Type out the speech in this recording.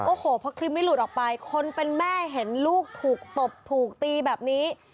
โอ้โหเพราะคลิปนี้หลุดออกไปคนเป็นแม่เห็นลูกถูกตบถูกตีแบบนี้